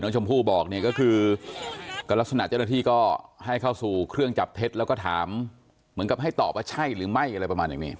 ชมพู่บอกเนี่ยก็คือก็ลักษณะเจ้าหน้าที่ก็ให้เข้าสู่เครื่องจับเท็จแล้วก็ถามเหมือนกับให้ตอบว่าใช่หรือไม่อะไรประมาณอย่างนี้